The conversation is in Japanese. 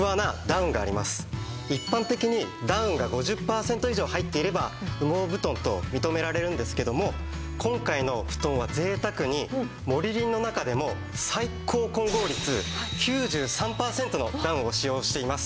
一般的にダウンが５０パーセント以上入っていれば羽毛布団と認められるんですけども今回の布団は贅沢にモリリンの中でも最高混合率９３パーセントのダウンを使用しています。